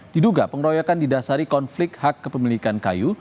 diduga pengeroyokan didasari konflik hak kepemilikan kayu